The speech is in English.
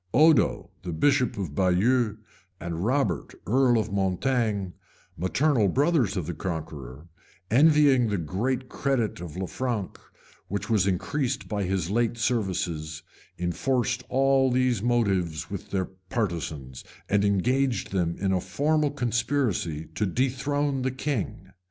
Odo, bishop of Baieux, and Robert, earl of Mortaigne, maternal brothers of the Conqueror, envying the great credit of Lanfranc, which was increased by his late services enforced all these motives with their partisans, and engaged them in a formal conspiracy to dethrone the king.